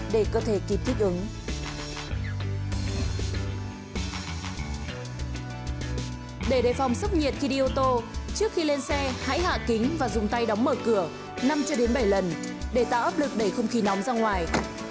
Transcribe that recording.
để đề phòng sức nhiệt khi đi ô tô trước khi lên xe hãy hạ kính và dùng tay đóng mở cửa năm bảy lần để tạo ấp lực đẩy không khí nóng ra ngoài